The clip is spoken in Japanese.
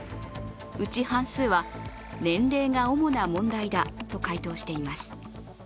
うち半数は、年齢が主な問題だと回答しています。